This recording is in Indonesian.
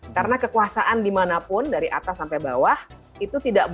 karena kekuasaan dimanapun dari atas sampai bawah itu tidak bohong